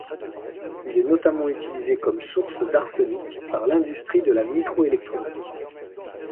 Il est notamment utilisé comme source d’arsenic par l’industrie de la microélectronique.